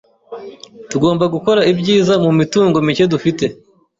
Tugomba gukora ibyiza mumitungo mike dufite.